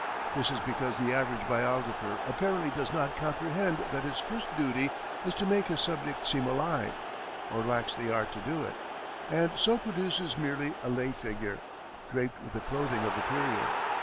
This is because the average biographer apparently does not comprehend that his first duty is to make his subject seem alive, or lacks the art to do it; and so produces merely a lay figure, draped with the clothing of the period.